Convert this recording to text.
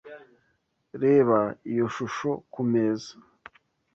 Reba iyo shusho kumeza.